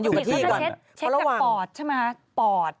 ปกติเขาจะเช็ดจากปอดใช่ไหมปอด